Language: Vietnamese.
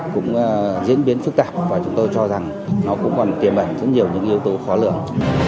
cũng diễn biến phức tạp và chúng tôi cho rằng nó cũng còn tiềm ẩn rất nhiều những yếu tố khó lường